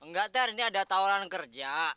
nggak ter ini ada tawaran kerja